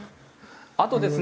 あとですね